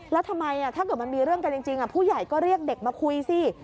แล้วทำไมถ้าเกิดมันมีเรื่องกันจริงผู้ใหญ่ก็เรียกเด็กมาคุยสิ